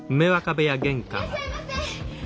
いらっしゃいませ！